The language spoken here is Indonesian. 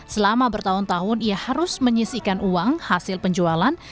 selama bertahun tahun ia harus menyisikan uang hasil penjualan